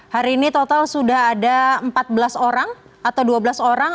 hari ini total sudah ada empat belas orang atau dua belas orang